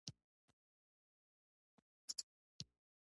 احمد بل کار نه لري، تل د دوو ترمنځ دوپړې اچوي.